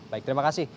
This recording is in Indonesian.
baik terima kasih